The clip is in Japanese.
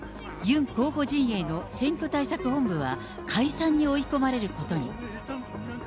ユン候補陣営の選挙対策本部は、解散に追い込まれることに。